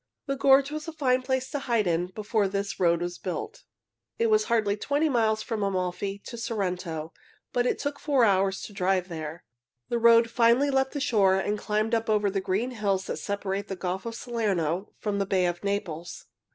The gorge was a fine place to hide in before this road was built." It was hardly twenty miles from Amalfi to Sorrento, but it took four hours to drive there. The road finally left the shore and climbed up over the green hills that separate the Gulf of Salerno from the Bay of Naples.